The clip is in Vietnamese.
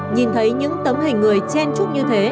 nhìn thấy những tấm hình người chen trúc như thế